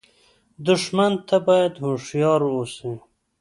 دښمن ته باید هوښیار اوسې